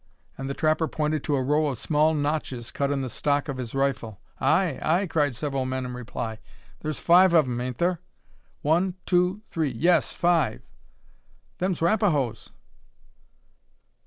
And the trapper pointed to a row of small notches cut in the stock of his rifle. "Ay, ay!" cried several men in reply. "Thur's five o' 'em, ain't thur?" "One, two, three; yes, five." "Them's Rapahoes!"